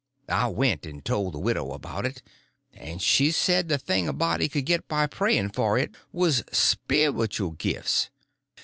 I went and told the widow about it, and she said the thing a body could get by praying for it was "spiritual gifts."